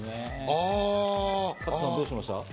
加藤さん、どうしました？